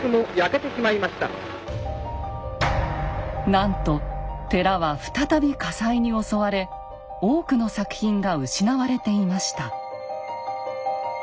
なんと寺は再び火災に襲われ多くの作品が失われていました。